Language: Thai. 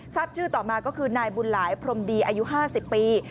ชื่อต่อมาก็คือนายบุญหลายพรมดีอายุ๕๐ปี